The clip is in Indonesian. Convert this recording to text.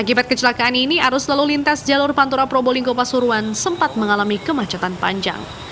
akibat kecelakaan ini arus lalu lintas jalur pantura probolinggo pasuruan sempat mengalami kemacetan panjang